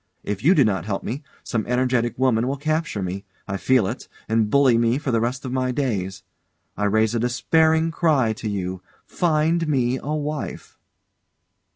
If you do not help me, some energetic woman will capture me I feel it and bully me for the rest of my days. I raise a despairing cry to you Find me a wife!